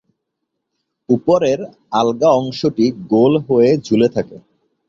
উপরের আলগা অংশটি গোল হয়ে ঝুলে থাকে।